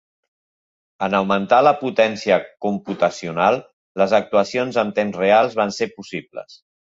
En augmentar la potència computacional, les actuacions en temps real van ser possibles.